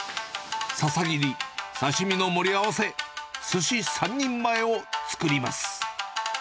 笹切り、刺身の盛り合わせ、すし３人前を作ります。